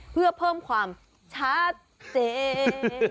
เพื่อเพิ่มความชัดเจน